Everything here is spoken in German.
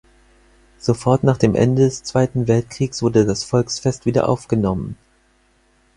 Sofort nach dem Ende des Zweiten Weltkriegs wurde das Volksfest wieder aufgenommen.